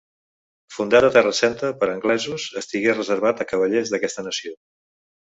Fundat a Terra Santa per anglesos, estigué reservat a cavallers d'aquesta nació.